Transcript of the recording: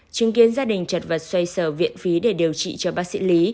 chứng kiến gia đình chật vật xoay sở viện phí để điều trị cho bác sĩ lý